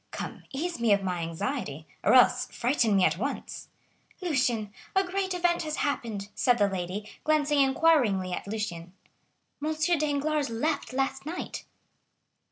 Come, ease me of my anxiety, or else frighten me at once." "Lucien, a great event has happened!" said the lady, glancing inquiringly at Lucien,—"M. Danglars left last night!"